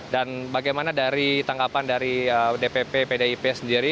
dan bagaimana dari tangkapan dari dpp pdip sendiri